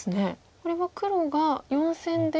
これは黒が４線出ると？